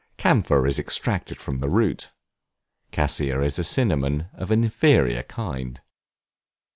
Camphor is extracted from the root. Cassia is cinnamon of an inferior kind.